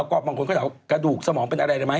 แล้วก็บางคนก็ถามว่ากระดูกสมองเป็นอะไรเลยไหม